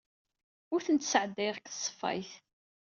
Ur ten-sɛeddayeɣ deg tṣeffayt.